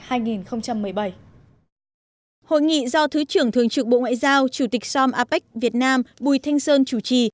hội nghị do thứ trưởng thường trực bộ ngoại giao chủ tịch som apec việt nam bùi thanh sơn chủ trì